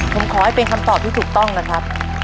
ผมขอให้เป็นคำตอบที่ถูกต้องนะครับ